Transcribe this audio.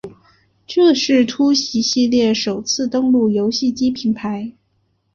这是突袭系列首次登陆游戏机平台。